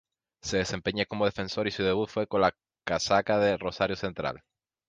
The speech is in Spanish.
Se desempeña como defensor y su debut fue con la casaca de Rosario Central.